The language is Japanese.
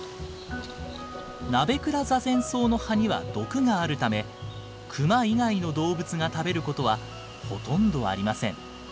ナベクラザゼンソウの葉には毒があるためクマ以外の動物が食べることはほとんどありません。